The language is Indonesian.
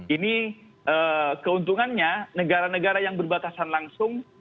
ini keuntungannya negara negara yang berbatasan langsung